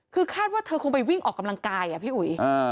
คือคาดว่าเธอคงไปวิ่งออกกำลังกายอ่ะพี่อุ๋ย